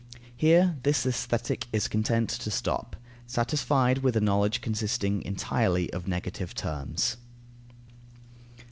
Here this Aesthetic is content to stop, satisfied with a knowledge consisting entirely of negative terms.